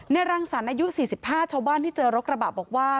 รังสรรค์อายุ๔๕ชาวบ้านที่เจอรกระบะบอกว่า